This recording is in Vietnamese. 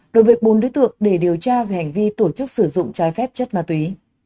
đối với bốn đối tượng để điều tra về hành vi tổ chức sử dụng trái phép chất ma túy